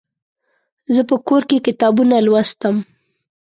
زه په کور کې کتابونه لوستم.